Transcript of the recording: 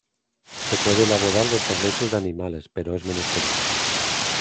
Se puede elaborar de otras leches de animales, pero es menos común.